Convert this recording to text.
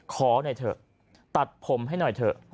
ขอหน่อยเถอะตัดผมให้หน่อยเถอะ